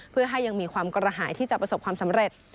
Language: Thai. เพื่อให้ยังมีความกระหายที่จะประสบความสำเร็จ